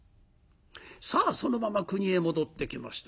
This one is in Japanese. さあそのまま国へ戻ってきました。